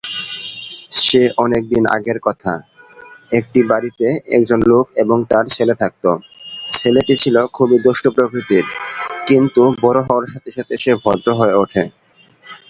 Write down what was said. She has a daughter Liliana.